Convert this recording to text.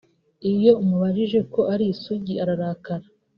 Iyo umubajije ko ari isugi ararakara